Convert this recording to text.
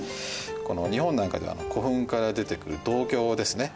この日本なんかでは古墳から出てくる銅鏡ですね。